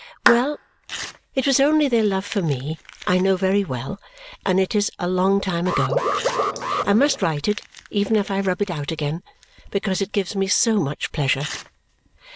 Well! It was only their love for me, I know very well, and it is a long time ago. I must write it even if I rub it out again, because it gives me so much pleasure.